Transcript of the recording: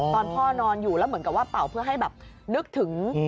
ตอนพ่อนอนอยู่แล้วเหมือนกับว่าเป่าเพื่อให้แบบนึกถึง